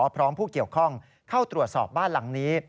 พร้อมผู้เกี่ยวข้องเข้าตรวจสอบบ้านหลังนี้